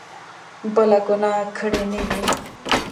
بله ګناه کړې نه وي.